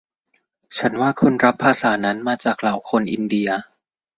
ฉันว่าคุณรับภาษานั้นจากมาเหล่าคนอินเดีย